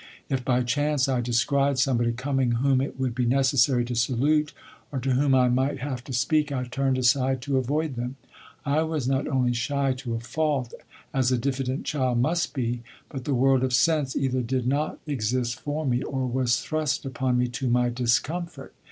If by chance I descried somebody coming whom it would be necessary to salute, or to whom I might have to speak, I turned aside to avoid them. I was not only shy to a fault, as a diffident child must be, but the world of sense either did not exist for me or was thrust upon me to my discomfort.